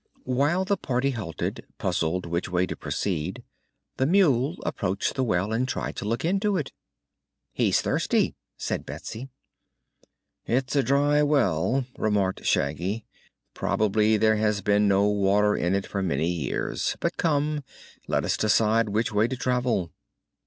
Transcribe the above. While the party halted, puzzled which way to proceed, the mule approached the well and tried to look into it. "He's thirsty," said Betsy. "It's a dry well," remarked Shaggy. "Probably there has been no water in it for many years. But, come; let us decide which way to travel."